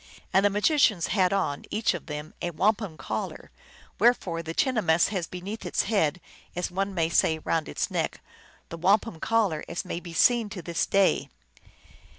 And the magicians had on, each of them, a wampum collar ; wherefore the chinahmess has beneath its head, as one may say, round its neck, the wampum collar, as may be seen to this day.